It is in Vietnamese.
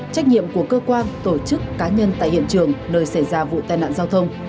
trách nhiệm của cơ quan tổ chức cá nhân tại hiện trường nơi xảy ra vụ tai nạn giao thông